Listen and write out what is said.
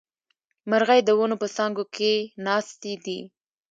مرغۍ د ونو په څانګو کې ناستې دي